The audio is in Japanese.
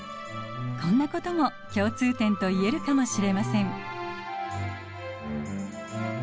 こんなことも共通点といえるかもしれません。